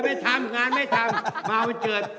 ไม่ทำงานไม่ทำมาวันเกิด